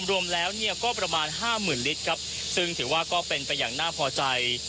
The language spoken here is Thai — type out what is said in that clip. รวมแล้วเนี่ยก็ประมาณห้าหมื่นลิตรครับซึ่งถือว่าก็เป็นไปอย่างน่าพอใจ